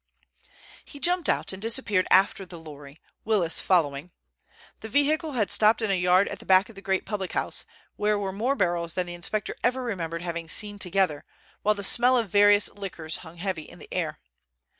He jumped out and disappeared after the lorry, Willis following. The vehicle had stopped in a yard at the back of the great public house, where were more barrels than the inspector ever remembered having seen together, while the smell of various liquors hung heavy in the air.